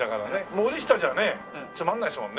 「森下」じゃねつまんないですもんねえ。